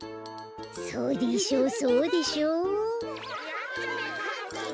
そうでしょうそうでしょう。